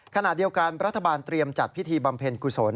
ขณะเดียวกันรัฐบาลเตรียมจัดพิธีบำเพ็ญกุศล